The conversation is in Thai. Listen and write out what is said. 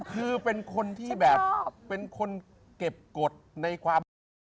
คือเป็นคนที่แบบเป็นคนเก็บกฎในความรู้สึก